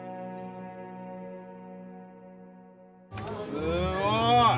すごい！